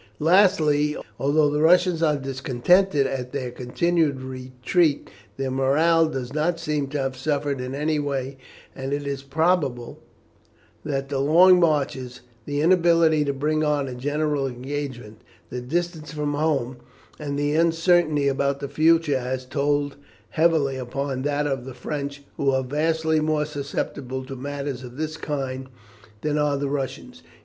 "Lastly, although the Russians are discontented at their continued retreat, their morale does not seem to have suffered in any way, and it is probable that the long marches, the inability to bring on a general engagement, the distance from home, and the uncertainty about the future has told heavily upon that of the French, who are vastly more susceptible to matters of this kind than are the Russians.